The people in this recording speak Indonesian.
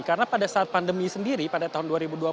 karena pada saat pandemi sendiri pada tahun dua ribu dua puluh satu